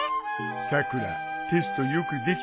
さくらテストよくできたみたいだな。